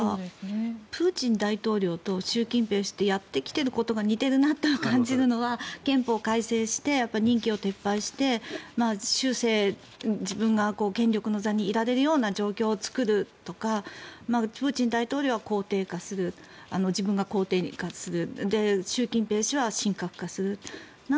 プーチン大統領と習近平氏ってやってきていることが似ているなと感じるのは憲法を改正して任期を撤廃して終生、自分が権力にいられるような状況を作るとかプーチン大統領は皇帝化する自分が皇帝化する習近平氏は神格化する。